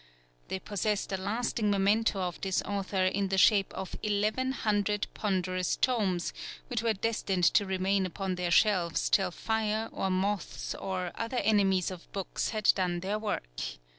They possessed a lasting memento of this author in the shape of eleven hundred ponderous tomes, which were destined to remain upon their shelves till fire or moths or other enemies of books had done their work.